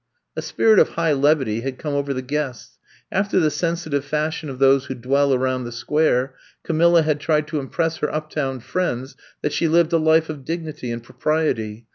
A spirit of high levity had come over the guests. After the sensitive fashion of those who dwell around the Square, Camilla had tried to impress her uptown friends that she lived a life of dignity and propri ety.